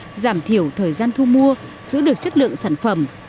bà con nông dân không mất nhiều thời gian thu mua giữ được chất lượng sản phẩm